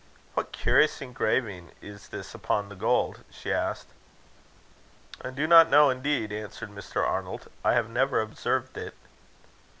"What curious engraving is this upon the gold?" she asked. "I do not know, indeed," answered Mr. Arnold. "I have never observed it."